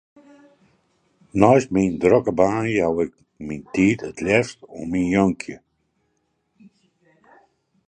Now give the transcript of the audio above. Neist myn drokke baan jou ik myn tiid it leafst oan myn jonkje.